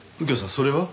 それは？